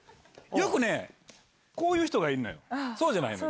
よくね、こういう人がいるのよ、そうじゃないのよ。